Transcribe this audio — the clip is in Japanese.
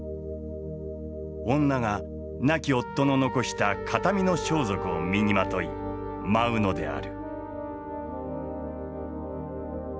女が亡き夫の残した形見の装束を身にまとい舞うのである。